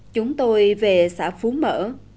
chúng tôi về xã phú mở